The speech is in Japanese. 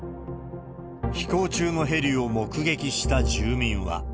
飛行中のヘリを目撃した住民は。